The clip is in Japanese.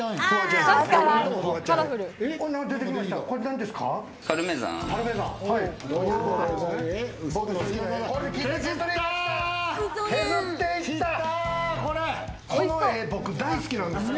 これはなんですか？